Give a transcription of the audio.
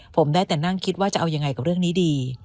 ผมได้แต่นั่งคิดว่าจะเอายังไงกับเรื่องนี้ดี